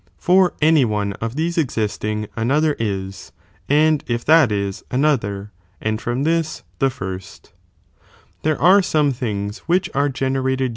339 ffCor any one of these existing, ;tnothi r i% anJ if Btlier, and from this, the first. There are some things which are generated j.